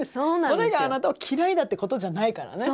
それがあなたを嫌いだってことじゃないからね。